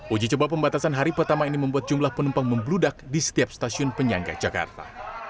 uji coba pembatasan hari pertama ini membuat jumlah penumpang membludak di setiap stasiun penyangga jakarta